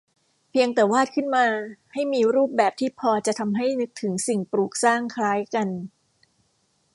เพียงแต่วาดขึ้นมาให้มีรูปแบบที่พอจะทำให้นึกถึงสิ่งปลูกสร้างคล้ายกัน